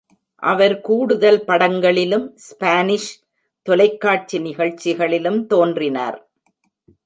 அவர் கூடுதல் படங்களிலும் ஸ்பானிஷ் தொலைக்காட்சி நிகழ்ச்சிகளிலும் தோன்றினார்.